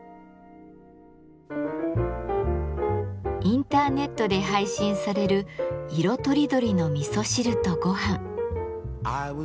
インターネットで配信される色とりどりの味噌汁とごはん。